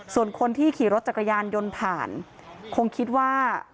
ส่วนคนที่ขี่รถจักรยานยนต์ผ่านคงคิดว่า